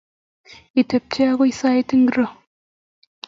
Itepche agoi sait ngiro?